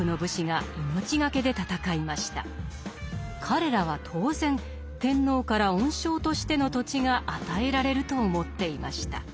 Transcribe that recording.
彼らは当然天皇から恩賞としての土地が与えられると思っていました。